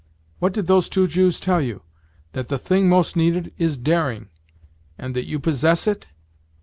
What did those two Jews tell you?—that the thing most needed is daring, and that you possess it?